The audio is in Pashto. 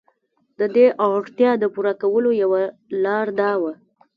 د دې اړتیا د پوره کولو یوه لار دا وه.